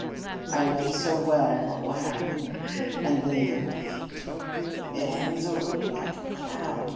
I know so well what will happen! And then, their hate! It hangs over me like a cloud!